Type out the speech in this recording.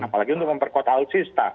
apalagi untuk memperkotausista